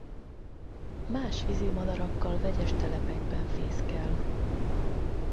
Más vízimadarakkal vegyes telepekben fészkel.